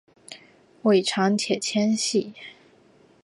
尾长且纤细。